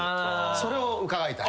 それを伺いたい。